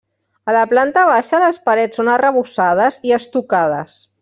A la planta baixa les parets són arrebossades i estucades.